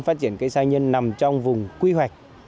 phát triển cây sa nhân nằm trong vùng quy hoạch